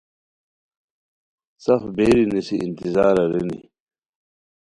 سف بیری نیسی انتظار ارینی